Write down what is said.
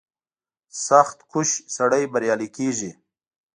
• سختکوش سړی بریالی کېږي.